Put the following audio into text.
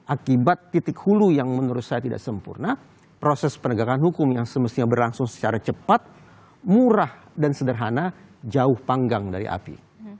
akibat titik hulu yang menurut saya tidak sempurna proses penegakan hukum yang semestinya berlangsung secara cepat murah dan sederhana jauh panggang dari api